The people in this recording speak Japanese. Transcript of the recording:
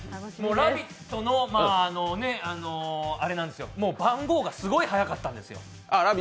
「ラヴィット！」の番号がすごい早かったんですよ。